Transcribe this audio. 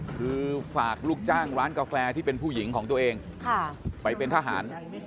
คือฝากลูกจ้างร้านกาแฟที่เป็นผู้หญิงของตัวเองไปเป็นทหาร